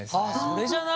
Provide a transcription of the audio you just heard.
それじゃない？